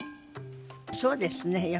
そうですね。